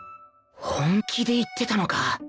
本気で言ってたのか